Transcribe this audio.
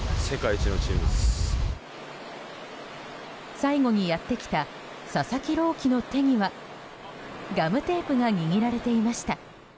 最後にやってきた佐々木朗希の手にはガムテープが握られていました。